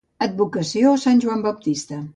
Advocació a Sant Joan Baptista.